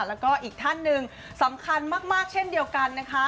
แล้วก็อีกท่านหนึ่งสำคัญมากเช่นเดียวกันนะคะ